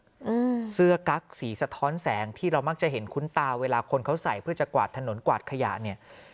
อืมเสื้อกั๊กสีสะท้อนแสงที่เรามักจะเห็นคุ้นตาเวลาคนเขาใส่เพื่อจะกวาดถนนกวาดขยะเนี่ย